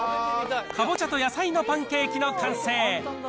かぼちゃと野菜のパンケーキの完成。